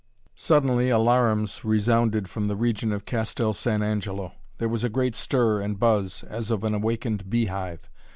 Suddenly alarums resounded from the region of Castel San Angelo. There was a great stir and buzz, as of an awakened bee hive.